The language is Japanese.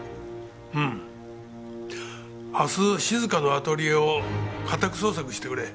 うん明日静香のアトリエを家宅捜索してくれ。